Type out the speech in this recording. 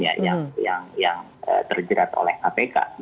yang terjerat oleh apk